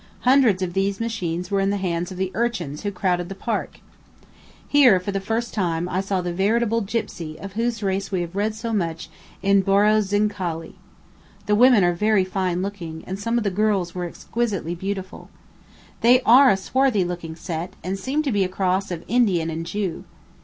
Hundreds of these machines were in the hands of the urchins who crowded the Park. Here, for the first time, I saw the veritable gypsy of whose race we have read so much in Bòrrow's Zincali. The women are very fine looking, and some of the girls were exquisitely beautiful. They are a swarthy looking set, and seem to be a cross of Indian and Jew.